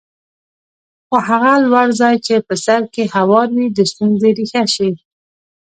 خو هغه لوړ ځای چې په سر کې هوار وي د ستونزې ریښه شي.